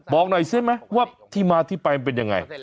บอกหน่อยใช่ไหมว่าที่มาที่ไปมันเป็นยังไง